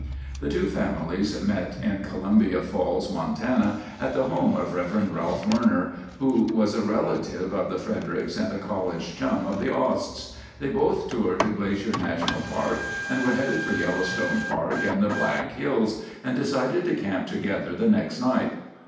The two families met in Columbia Falls, Montana, at the home of Rev. Ralph Werner, who was a relative of the Fredericks and a college chum of the Osts. They'd both toured Glacier National Park and were headed for Yellowstone Park and the Black Hills, and decided to camp together the next night.